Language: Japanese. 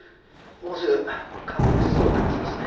もうすぐ株主総会だそうですね。